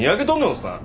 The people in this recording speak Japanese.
おっさん。